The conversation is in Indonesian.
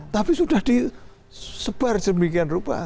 tapi sudah disebar sedemikian rupa